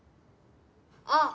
「あ」。